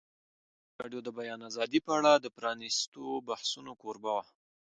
ازادي راډیو د د بیان آزادي په اړه د پرانیستو بحثونو کوربه وه.